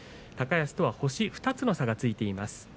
高安と星２つの差がついています。